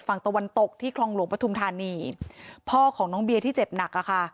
ฝั่งตะวันตกที่คลองหลวงปฐุมธานีพ่อของน้องเบียที่เจ็บหนักอ่ะค่ะ